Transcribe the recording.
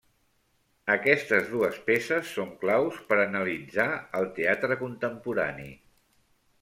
Aquestes dues peces són claus per analitzar el teatre contemporani.